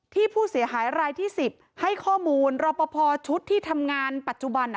ที่ผู้เสียหายรายที่๑๐ให้ข้อมูลรอปภชุดที่ทำงานปัจจุบัน